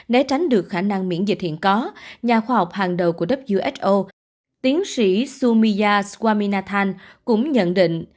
để tránh được khả năng miễn dịch hiện có nhà khoa học hàng đầu của who tiến sĩ sumiya swaminathan cũng nhận định